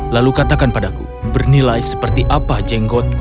lalu katakan padaku bernilai seperti apa jenggot